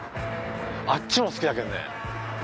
あっちも好きだけどね。